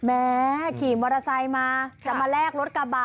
แม้ขี่มอเตอร์ไซค์มาจะมาแลกรถกระบะ